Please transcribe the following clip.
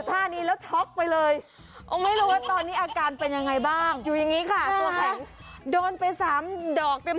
ตัวแข็งโดนไป๓ดอกเต็ม